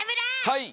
はい。